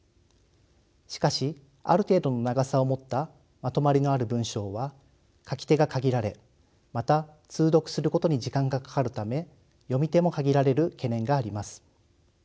しかしある程度の長さを持ったまとまりのある文章は書き手が限られまた通読することに時間がかかるため読み手も限られる懸念があります。